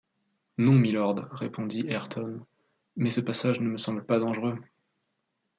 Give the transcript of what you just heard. Non, mylord, répondit Ayrton, mais ce passage ne me semble pas dangereux.